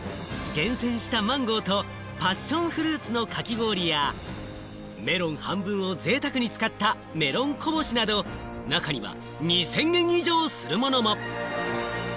厳選したマンゴーとパッションフルーツのかき氷やメロン半分をぜいたくに使ったメロンこぼしなど、中には２０００円以上するものも。